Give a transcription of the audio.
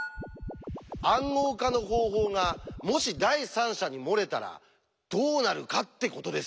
「暗号化の方法」がもし第三者に漏れたらどうなるかってことですよ！